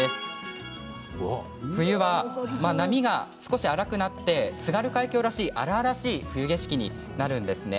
冬は波が少し荒くなって津軽海峡らしい荒々しい冬景色になるんですね。